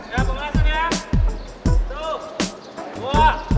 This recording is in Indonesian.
ya panggilan itu dia